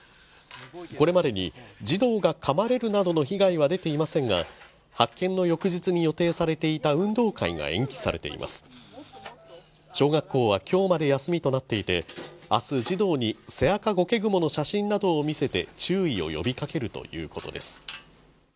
これまでに児童がかまれるなどの被害は出ていませんが発見の翌日に予定されていた運動会が延期されています小学校は今日まで休みとなっていて明日児童にセアカゴケグモの写真などを見せて注意を呼びかけるということです